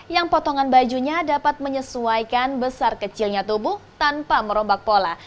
yang potongan bajunya dapat menyesuaikan besar kecilnya tubuh tanpa merombak pola